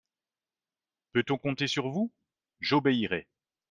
Peut-on compter sur vous ? J'obéirai.